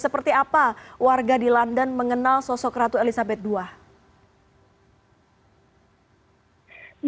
seperti apa warga di london mengenal sosok ratu elizabeth ii